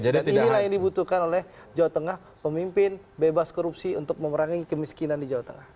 dan ini lah yang dibutuhkan oleh jawa tengah pemimpin bebas korupsi untuk memerangi kemiskinan di jawa tengah